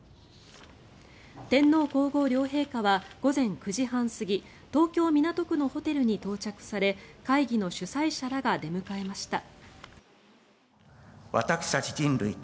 天皇・皇后両陛下は午前９時半過ぎ東京・港区のホテルに到着され会議の主催者らが出迎えました。